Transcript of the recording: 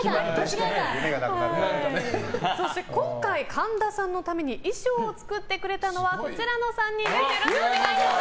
そして今回、神田さんのために衣装を作ってくれたのはこちらの３人です。